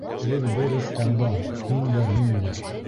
— Беҙ бер үк ҡандан — һин дә, мин дә!